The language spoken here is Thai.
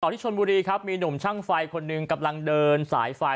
ที่ชนบุรีครับมีหนุ่มช่างไฟคนหนึ่งกำลังเดินสายไฟ